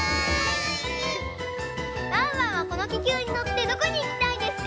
ワンワンはこのききゅうにのってどこにいきたいですか？